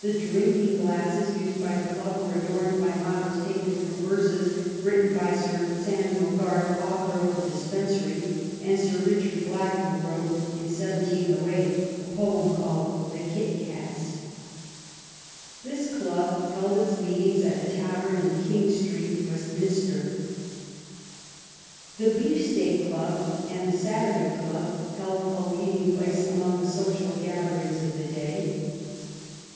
The drinking^ glasses used by the club were adorned by mottoes taken from verses written by Sir Samuel Garth, author of The Dispensary, and Sir Richard Blackmore wrote, in 1708, a poem called " The Kit Cats.*' This club held its meetings at a tavern in King Street, West minster. The Beef Steak Club and the Saturday Club held a leading place among the social gatherings of the day.